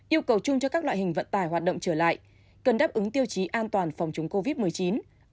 yêu cầu chung cho các loại hình vận tải hoạt động trở lại cần đáp ứng tiêu chí an toàn phòng chống covid một mươi chín